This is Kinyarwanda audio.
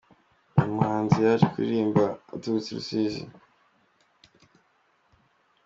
Uyu muhanzi yaje kuririmba aturutse i Rusizi.